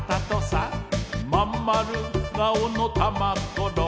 「まんまる顔のたまっころ」